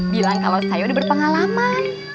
bilang kalau saya udah berpengalaman